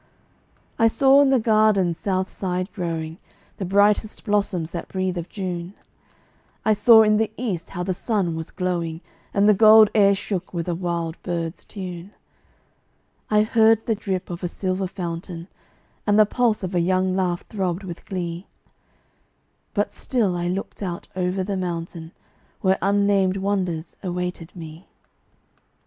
I saw on the garden's south side growing The brightest blossoms that breathe of June; I saw in the east how the sun was glowing, And the gold air shook with a wild bird's tune; I heard the drip of a silver fountain, And the pulse of a young laugh throbbed with glee But still I looked out over the mountain Where unnamed wonders awaited me.